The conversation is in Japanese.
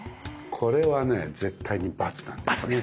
これはね絶対にバツなんですね。